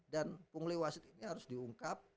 dan punggul wasit ini harus diungkap